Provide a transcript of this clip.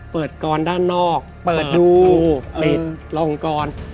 กรด้านนอกเปิดดูปิดลงกร